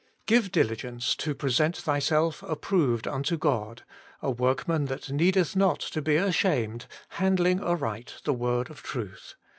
' Give diligence to present thyself approved unto God. a ivorkman that needcth not to he ashamed, handling aright the word of truth.'